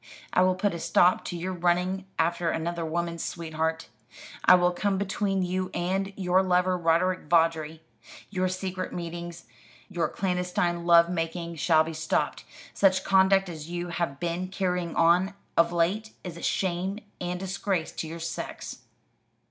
I will put a stop to your running after another woman's sweetheart. I will come between you and your lover, Roderick Vawdrey. Your secret meetings, your clandestine love making, shall be stopped. Such conduct as you have been carrying on of late is a shame and disgrace to your sex."